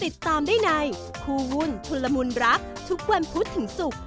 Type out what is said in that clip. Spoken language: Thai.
ติดตามได้ในคู่วุ่นชุนละมุนรักทุกวันพุธถึงศุกร์